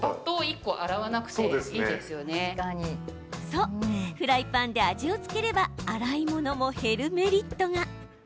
そう、フライパンで味を付ければ洗い物も減るメリットが。